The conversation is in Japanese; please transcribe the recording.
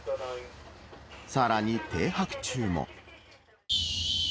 さらに停泊中も。